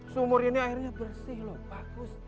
sumur ini airnya bersih loh bagus